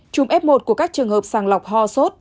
trùng f một của các trường hợp sàng lọc ho sốt